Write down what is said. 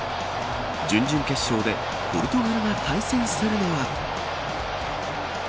準々決勝でポルトガルが対戦するのは。